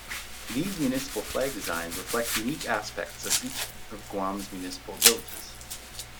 These municipal flag designs reflect unique aspects of each of Guam's municipal villages.